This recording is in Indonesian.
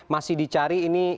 masih dicari ini